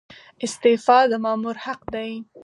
استعفا د مامور حق دی